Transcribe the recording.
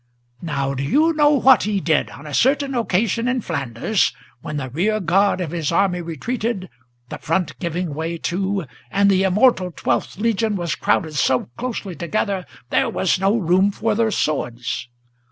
Now, do you know what he did on a certain occasion in Flanders, When the rear guard of his army retreated, the front giving way too, And the immortal Twelfth Legion was crowded so closely together There was no room for their swords?